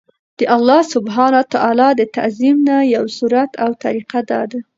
د الله سبحانه وتعالی د تعظيم نه يو صورت او طريقه دا ده